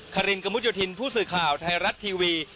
คารินกระมุดโยธินผู้สื่อข่าวไทยรัฐทีวี